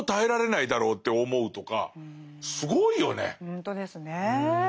ほんとですね。